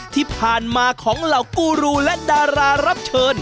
ที่ผ่านมาของเหล่ากูรูและดารารับเชิญ